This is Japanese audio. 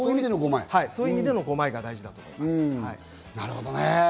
そういう意味での５枚が大事だと思います。